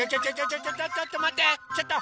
ちょっとまってちょっと！